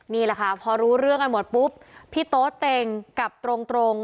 นี่แหละค่ะพอรู้เรื่องกันหมดปุ๊บพี่โต๊เต็งกลับตรง